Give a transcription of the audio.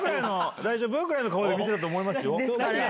大丈夫？ぐらいの顔で見てたと思います。